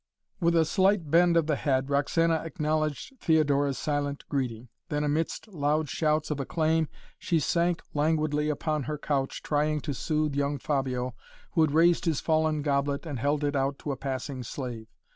With a slight bend of the head Roxana acknowledged Theodora's silent greeting; then, amidst loud shouts of acclaim she sank languidly upon her couch, trying to soothe young Fabio, who had raised his fallen goblet and held it out to a passing slave.